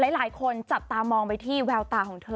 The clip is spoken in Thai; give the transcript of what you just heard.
หลายคนจับตามองไปหาแววตาที่เธอ